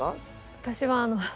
私はあの。